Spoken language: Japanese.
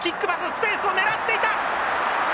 スペースを狙っていた！